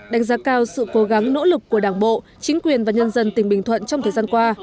đánh giá cao sự cố gắng nỗ lực của đảng bộ chính quyền và nhân dân tỉnh bình thuận trong thời gian qua